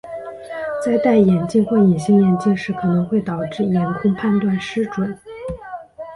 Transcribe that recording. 在戴眼镜或隐形眼镜时可能导致眼控判断失准。